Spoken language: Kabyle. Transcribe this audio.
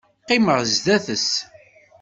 Qqimeɣ zdat-s.